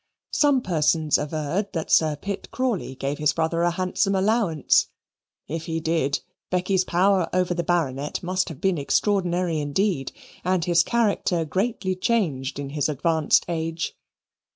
Some persons averred that Sir Pitt Crawley gave his brother a handsome allowance; if he did, Becky's power over the Baronet must have been extraordinary indeed, and his character greatly changed in his advanced age.